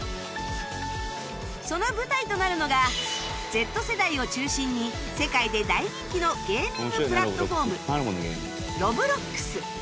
その舞台となるのが Ｚ 世代を中心に世界で大人気のゲーミングプラットフォーム Ｒｏｂｌｏｘ